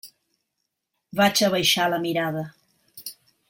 Vaig abaixar la mirada.